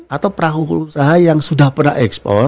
atau perahu usaha yang sudah pernah ekspor